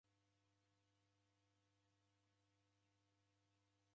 W'aw'adwa ni mkonu ghwa sirikali